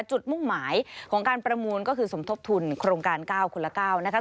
จุดมุ่งหมายของการประมูลก็คือสมทบทุนโครงการก้าวคุณละก้าวนะคะ